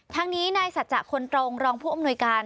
ทางนี้นายสัจจะคนตรงรองผู้อำนวยการ